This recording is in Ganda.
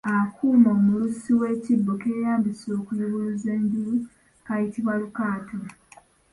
Akuuma omulusi w’ekibbo ke yeeyambisa okuyubuluza enjulu kayitibwa lukato.